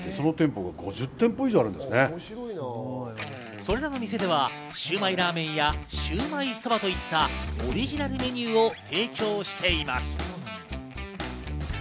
それらの店ではシウマイラーメンやシウマイ蕎麦といったオリジナルメニューを提供しています。